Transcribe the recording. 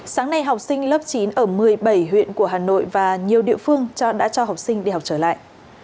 sáng nay học sinh lớp chín ở một mươi bảy huyện của hà nội và nhiều địa phương đã cho học sinh đi học trở lại